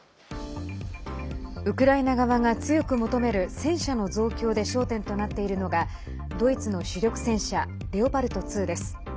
ウクライナ側が強く求める戦車の増強で焦点となっているのがドイツの主力戦車レオパルト２です。